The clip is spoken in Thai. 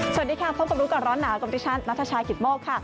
สวัสดีค่ะพบกับรู้ก่อนร้อนหนาวกับดิฉันนัทชายกิตโมกค่ะ